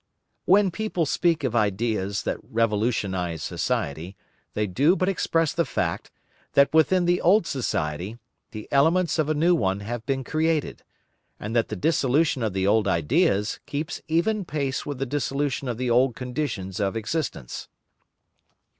When people speak of ideas that revolutionise society, they do but express the fact, that within the old society, the elements of a new one have been created, and that the dissolution of the old ideas keeps even pace with the dissolution of the old conditions of existence.